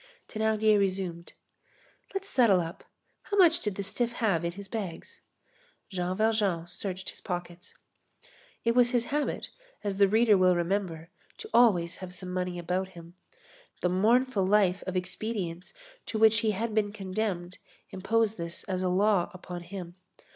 Thénardier resumed: "Let's settle up. How much did the stiff have in his bags?" Jean Valjean searched his pockets. It was his habit, as the reader will remember, to always have some money about him. The mournful life of expedients to which he had been condemned imposed this as a law upon him.